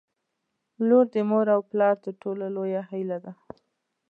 • لور د مور او پلار تر ټولو لویه هیله ده.